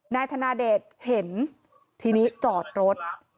นายธนาเดชเห็นทีนี้จอดรถ